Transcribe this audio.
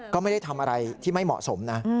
ก็ไม่ได้ทำอะไรที่ไม่เหมาะสมนะ